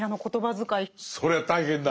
そりゃ大変だ。